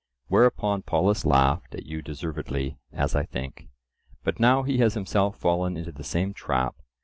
Whereupon Polus laughed at you deservedly, as I think; but now he has himself fallen into the same trap.